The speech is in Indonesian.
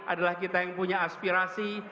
adalah kita yang punya aspirasi